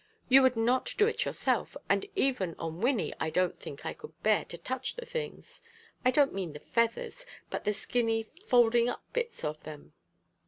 You could not do it yourself, and even on Wynnie I don't think I could bear to touch the things I don't mean the feathers, but the skinny, folding up bits of them."